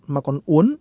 mà còn uốn